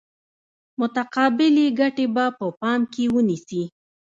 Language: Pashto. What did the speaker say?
متقابلې ګټې به په پام کې ونیسي.